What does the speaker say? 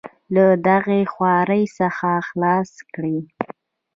له دغې خوارۍ څخه خلاص کړي.